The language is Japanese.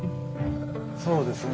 そうですね。